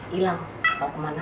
hilang gak tau kemana